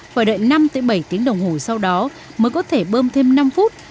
phải đợi năm bảy tiếng đồng hồ sau đó mới có thể bơm thêm năm phút